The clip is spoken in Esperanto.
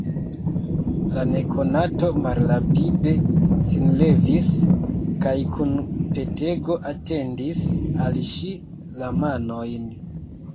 La nekonato malrapide sin levis kaj kun petego etendis al ŝi la manojn.